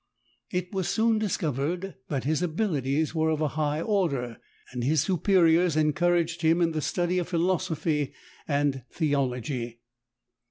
It was soon discovered that his abilities were of a high order, and his Superiors encouraged him in the study of philosophy and theology.